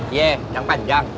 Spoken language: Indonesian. iye yang panjang